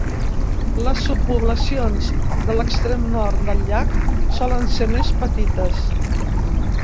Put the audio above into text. Les subpoblacions de l'extrem nord del llac solen ser més petites.